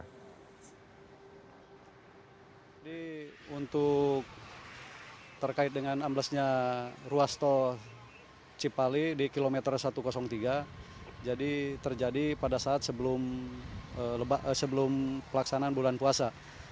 jadi untuk terkait dengan amblesnya ruas tol cipali di kilometer satu ratus tiga jadi terjadi pada saat sebelum pelaksanaan bulan puasa